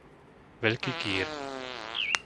Veľký Kýr